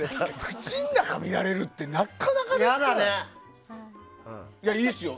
口の中見られるってなかなかですよ！